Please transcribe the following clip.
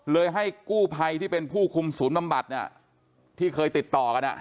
ให้กู้ภัยที่เป็นผู้คุมศูนย์บำบัดที่เคยติดต่อกัน